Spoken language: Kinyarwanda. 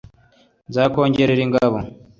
nzakongerere ingabo